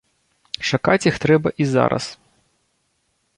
Чакаць іх трэба і зараз.